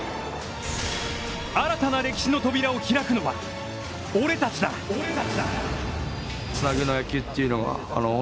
新たな歴史の扉を開くのは俺たちだ！時は来た！